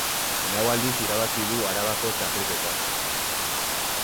Lau aldiz irabazi du Arabako Txapelketa.